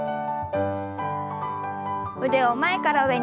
腕を前から上に。